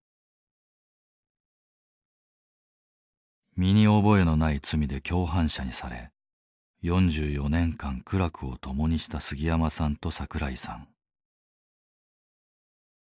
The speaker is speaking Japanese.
身に覚えのない罪で共犯者にされ４４年間苦楽を共にした杉山さんと桜井さん。